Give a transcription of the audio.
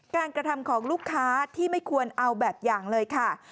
กระทำของลูกค้าที่ไม่ควรเอาแบบอย่างเลยค่ะ